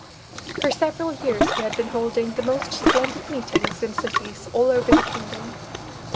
For several years we had been holding the most splendid meetings in cities all over the kingdom.